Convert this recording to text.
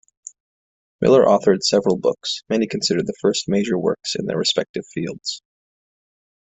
Miller authored several books, many considered the first major works in their respective fields.